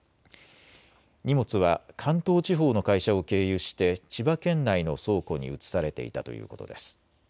荷物は関東地方の会社を経由して千葉県内の倉庫に移されていたということです。